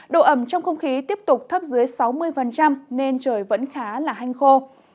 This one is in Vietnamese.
độ ẩm trong không khí tiếp tục thấp dưới sáu mươi nên trời vẫn khá là hanh khô